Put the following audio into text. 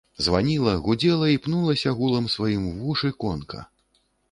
Званіла, гудзела і пнулася гулам сваім у вушы конка.